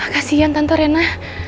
kasian tante rena